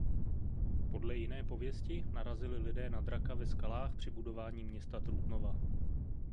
Podle jiné pověsti narazili lidé na draka ve skalách při budování města Trutnova.